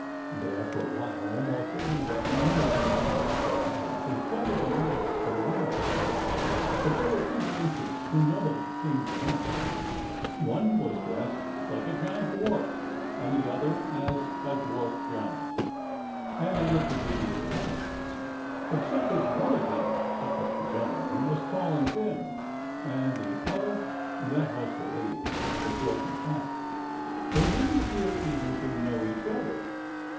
But after a while almost everybody knew almost everybody else in spite of the masks they wore. But there were two dancers whom nobody seemed to know. One was dressed as a giant dwarf, and the other as a dwarf giant. And they looked a good deal alike, except that one of them (that was the gentleman) was tall and thin; and the other (that was the lady) was short and fat. They didn't appear even to know each other.